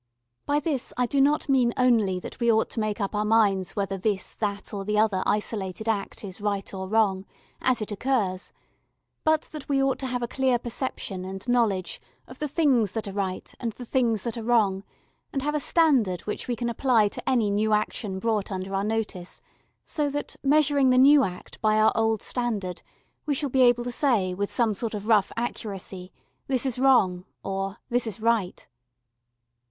By this I do not mean only that we ought to make up our minds whether this, that, or the other isolated act is right or wrong, as it occurs, but that we ought to have a clear perception and knowledge of the things that are right and the things that are wrong, and have a standard which we can apply to any new action brought under our notice, so that, measuring the new act by our old standard, we shall be able to say, with some sort of rough accuracy, "This is wrong," or "This is right."